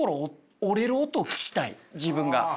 自分が。